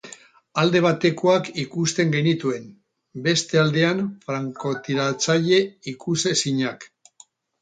Alde batekoak ikusten genituen, beste aldean frankotiratzaile ikusezinak.